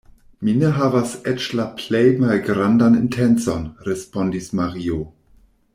Mi ne havas eĉ la plej malgrandan intencon, respondis Mario.